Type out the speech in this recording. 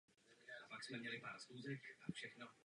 Z masa používá hlavně rybí a vepřové.